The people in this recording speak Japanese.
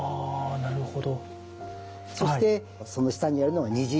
なるほど。